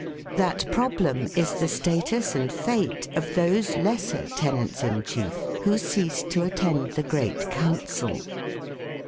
That problem is the status and fate of those lesser tenants in chief who ceased to attend the Great Council.